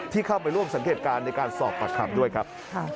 ที่เข้าไปร่วมสังเกตการณ์ในการสอบปากคำด้วยครับ